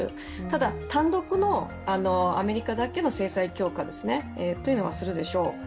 ただ単独のアメリカだけの制裁強化というのはするでしょう。